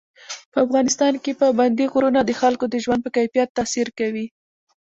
په افغانستان کې پابندی غرونه د خلکو د ژوند په کیفیت تاثیر کوي.